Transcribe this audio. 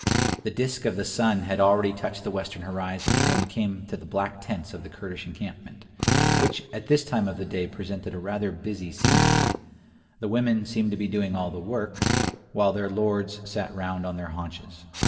The disk of the sun had already touched the western horizon when we came to the black tents of the Kurdish encampment, which at this time of the day presented a rather busy scene. The women seemed to be doing all the work, while their lords sat round on their haunches.